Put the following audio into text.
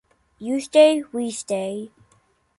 You stay, we stay.